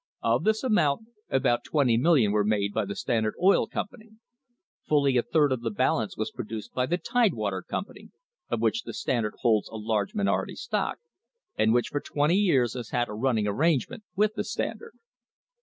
f Of this amount about twenty million were made by the Standard Oil Company; fully a third of the balance was produced by the Tidewater Company, of which the Stand ard holds a large minority stock, and which for twenty years has had a running arrangement with the Standard.